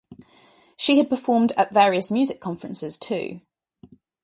She had performed at various music conferences too.